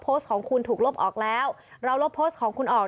โพสต์ของคุณถูกลบออกแล้วเราลบโพสต์ของคุณออก